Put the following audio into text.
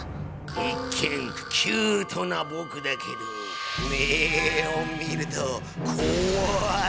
一見キュートなぼくだけど目を見るとこわい！